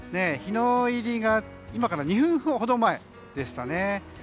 日の入りが今から２分ほど前でしたね。